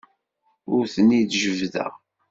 Ur ten-id-jebbdeɣ.